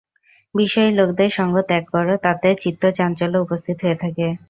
বিষয়ী লোকদের সঙ্গ ত্যাগ কর, তাতে চিত্তচাঞ্চল্য উপস্থিত হয়ে থাকে।